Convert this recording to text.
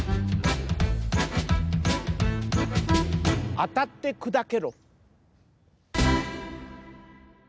あたってくだけろ。